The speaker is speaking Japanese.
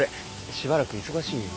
しばらく忙しんよ。